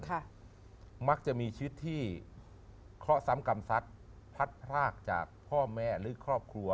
ค่ะมักจะมีชีวิตที่เคราะห์ซ้ำกรรมสัตว์พัดพรากจากพ่อแม่หรือครอบครัว